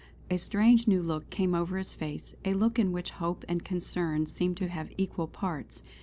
A strange, new look came over his face, a look in which hope and concern seemed to have equal parts.